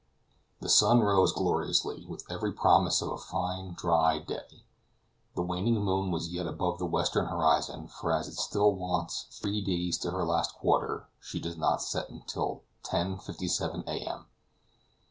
The sun rose gloriously, with every promise of a fine dry day. The waning moon was yet above the western horizon, for as it still wants three days to her last quarter she does not set until 10:57 A. M.